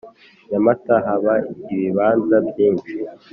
Inyamata haba ibibanza byishi